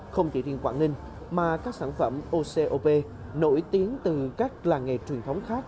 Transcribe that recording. không chỉ riêng quảng ninh mà các sản phẩm ocop nổi tiếng từ các làng nghề truyền thống khác